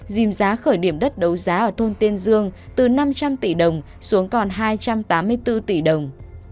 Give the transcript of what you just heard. dìm giá khởi điểm đất đấu giá ở thôn tiên dương từ năm trăm linh tỷ đồng xuống còn hai trăm tám mươi bốn tỷ đồng